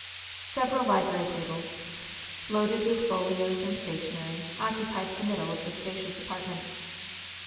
Several library tables, loaded with folios and sta tionery, occupied the middle of the spacious apartment.